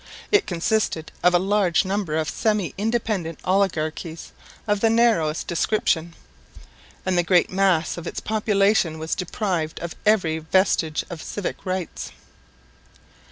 It consisted of a large number of semi independent oligarchies of the narrowest description; and the great mass of its population was deprived of every vestige of civic rights.